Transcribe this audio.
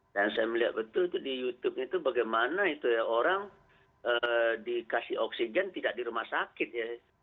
dan saya melihat betul di youtube itu bagaimana itu ya orang dikasih oksigen tidak di rumah sakit ya